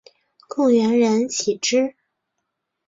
故园人岂知？